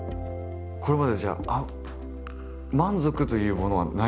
これまでじゃあ満足というものはないですか？